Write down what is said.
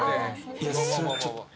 いやそれちょっと。